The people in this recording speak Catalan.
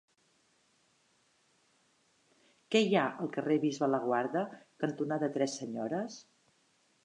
Què hi ha al carrer Bisbe Laguarda cantonada Tres Senyores?